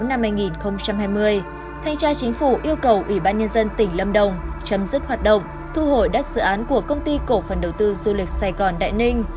thanh tra chính phủ yêu cầu ủy ban nhân dân tỉnh lâm đồng chấm dứt hoạt động thu hồi đất dự án của công ty cổ phân đầu tư du lịch sài gòn đại ninh